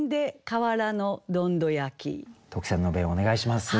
特選の弁をお願いします。